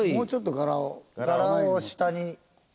柄を下に。